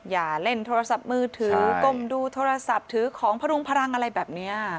อย่าเล่นโทรศัพท์มือถือก้มดูโทรศัพท์ถือของพรุงพลังอะไรแบบนี้